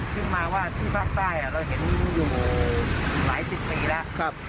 ซึ่งมาว่าที่ภาคใต้เราเห็นอยู่หลายสิบปีแล้ว